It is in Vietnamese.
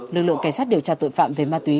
lực lượng cảnh sát điều tra tội phạm về ma túy